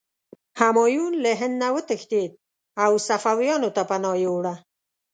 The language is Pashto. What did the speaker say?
همایون له هند نه وتښتېد او صفویانو ته پناه یووړه.